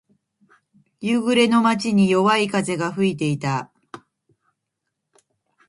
夕暮れの街に、弱い風が吹いていた。